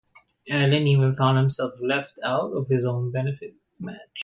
Allen even found himself left out of his own benefit match.